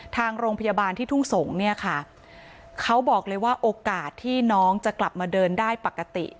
ทางโรงพยาบาลที่ทุ่งสงศ์เนี่ยค่ะเขาบอกเลยว่าโอกาสที่น้องจะกลับมาเดินได้ปกติ